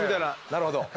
なるほど。